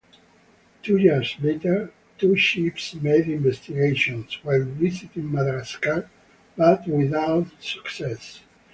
Two years later, two ships made investigations while visiting Madagascar, but without success.